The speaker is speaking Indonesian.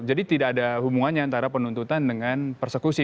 jadi tidak ada hubungannya antara penuntutan dengan persekusi